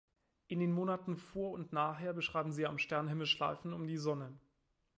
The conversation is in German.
In den Monaten vor- und nachher beschreiben sie am Sternhimmel Schleifen um die Sonne.